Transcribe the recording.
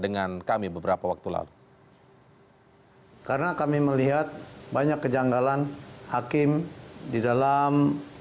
dengan kami beberapa waktu lalu karena kami melihat banyak kejanggalan hakim di dalam